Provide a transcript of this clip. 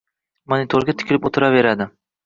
monitorga tikilib o‘tiraveradi.